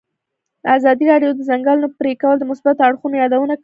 ازادي راډیو د د ځنګلونو پرېکول د مثبتو اړخونو یادونه کړې.